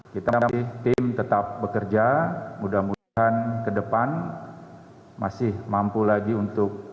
kita tim tetap bekerja mudah mudahan ke depan masih mampu lagi untuk